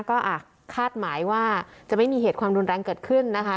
ก็คาดหมายว่าจะไม่มีเหตุความรุนแรงเกิดขึ้นนะคะ